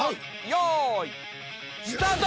よいスタート！